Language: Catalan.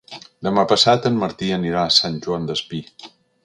Demà passat en Martí anirà a Sant Joan Despí.